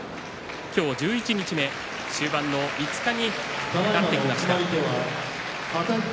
今日、十一日目終盤の５日になってきました。